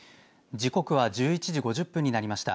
時刻は１１時５０分になりました。